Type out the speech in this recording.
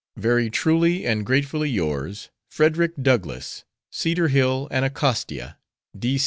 Very truly and gratefully yours, FREDERICK DOUGLASS _Cedar Hill, Anacostia, D.